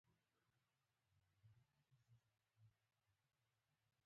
په کتله کې یې زیاتوالی نه پیدا کیږي.